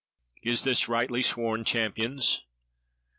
Is this rightly sworn, Champions?"